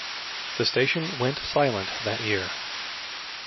The station went silent that year.